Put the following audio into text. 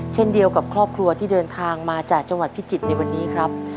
เช่นเดียวกับครอบครัวที่เดินทางมาจากจังหวัดพิจิตรในวันนี้ครับ